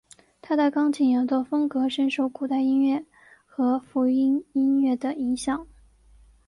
他的钢琴演奏风格深受古典音乐和福音音乐的影响。